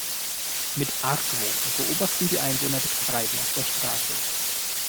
Mit Argwohn beobachten die Einwohner das Treiben auf der Straße.